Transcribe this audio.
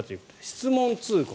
質問通告。